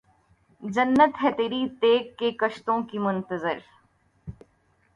جنت ہے تیری تیغ کے کشتوں کی منتظر